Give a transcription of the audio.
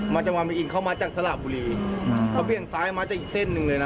จังหวัดมันอินเขามาจากสระบุรีเขาเบี่ยงซ้ายมาจากอีกเส้นหนึ่งเลยนะ